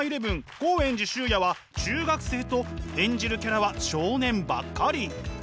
豪炎寺修也は中学生と演じるキャラは少年ばっかり。